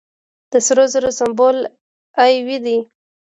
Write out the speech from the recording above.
د سرو زرو سمبول ای یو دی.